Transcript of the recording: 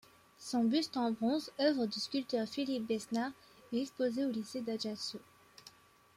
Son buste en bronze, œuvre du sculpteur Philippe Besnard, est exposé au lycée d'Ajaccio.